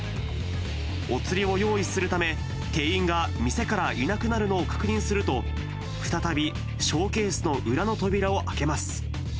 お釣りを用意するため、店員が店からいなくなるのを確認すると、再びショーケースの裏の扉を開けます。